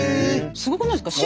すごくないですか？